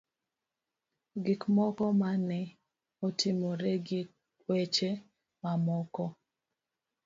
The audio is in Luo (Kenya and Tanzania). Gik moko ma ne otimore gi weche mamoko.